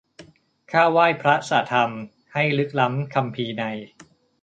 ข้าไหว้พระสะธรรม ที่ลึกล้ำคัมภีร์ใน